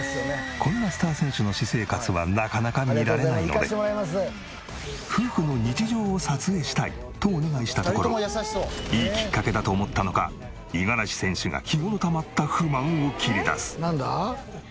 こんなスター選手の私生活は夫婦の日常を撮影したいとお願いしたところいいきっかけだと思ったのか五十嵐選手が日頃たまった不満を切り出す。